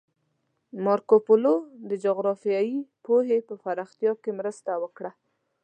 مارکوپولو د جغرافیایي پوهې په پراختیا کې مرسته وکړه.